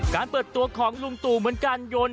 การเปิดตัวของลุงตู่เหมือนกัน